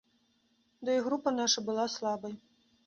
Ды і група наша была слабай.